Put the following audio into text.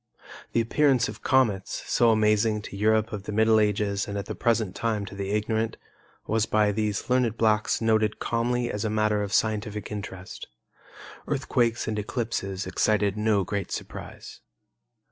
The appearance of comets, so amazing to Europe of the Middle Ages and at the present time to the ignorant, was by these learned blacks noted calmly as a matter of scientific interest. Earthquakes and eclipses excited no great surprise.